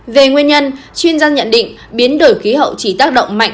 về nguyên nhân chuyên gia nhận định biến đổi khí hậu chỉ tác động mạnh